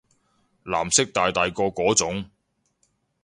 藍色大大個嗰種